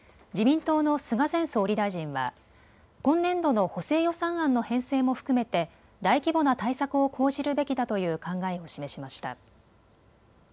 自民党の菅前総理大臣は今年度の補正予算案の編成も含めて大規模な対策を講じるべきだという考えを示しました。